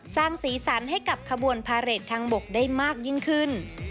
สร้างสีสันให้กับขบวนพาเรททางบกได้มากยิ่งขึ้น